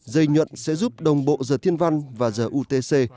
dây nhuận sẽ giúp đồng bộ giờ thiên văn và giờ utc